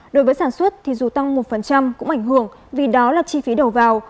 đối với sản xuất thì dù tăng một cũng ảnh hưởng vì đó là chi phí đầu vào